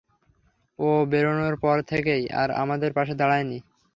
ও বেরোনোর পর থেকেই আর আমাদের পাশে দাঁড়ায়নি।